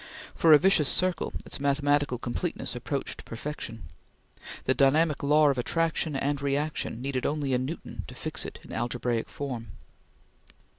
For a vicious circle, its mathematical completeness approached perfection. The dynamic law of attraction and reaction needed only a Newton to fix it in algebraic form.